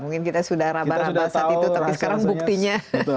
mungkin kita sudah raba raba saat itu tapi sekarang buktinya